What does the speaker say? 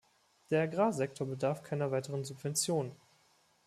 Der Agrarsektor bedarf keiner weiteren Subventionen.